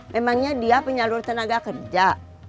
memangnya dia penyalur tenaga kerja